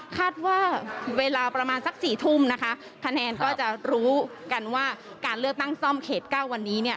คาดว่าเวลาประมาณสักสี่ทุ่มนะคะคะแนนก็จะรู้กันว่าการเลือกตั้งซ่อมเขตเก้าวันนี้เนี่ย